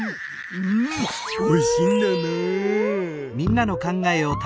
うんおいしいんだなあ。